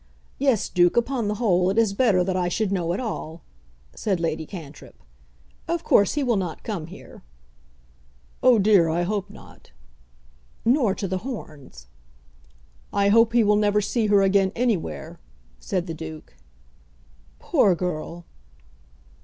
Yes, Duke; upon the whole it is better that I should know it all," said Lady Cantrip. "Of course he will not come here." "Oh dear; I hope not." "Nor to The Horns." "I hope he will never see her again anywhere," said the Duke. "Poor girl!"